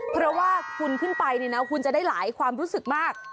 เพราะว่าคุณขึ้นไปเนี่ยนะคุณจะได้หลายความรู้สึกมาก